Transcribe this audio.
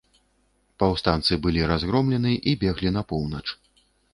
Паўстанцы былі разгромлены і беглі на поўнач.